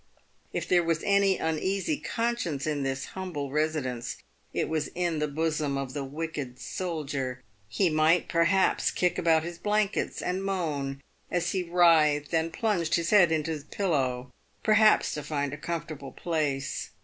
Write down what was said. If there was any uneasy conscience in this humble residence, it was in the bosom of the wicked soldier. He might, per haps, kick about his blankets, and moan, as he writhed and plunged his head into his pillow, perhaps, to find a comfortable place.